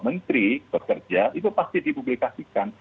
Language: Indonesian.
menteri bekerja itu pasti dipublikasikan